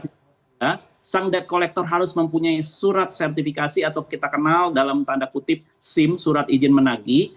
sehingga sang debt collector harus mempunyai surat sertifikasi atau kita kenal dalam tanda kutip sim surat izin menagi